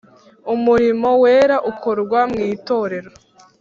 umurimo wera ukorwa mw’itorero.